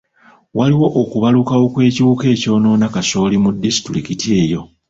Waliwo okubalukawo kw'ekiwuka ekyonoona kasooli mu disitulikiti eyo.